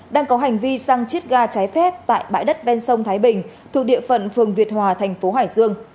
đang có hành vi xăng chiết ga trái phép tại bãi đất ven sông thái bình thuộc địa phận phường việt hòa thành phố hải dương